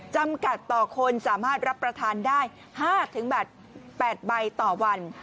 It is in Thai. จำกัดต่อคนสามารถรับประทานได้๕๘ใบต่อวัน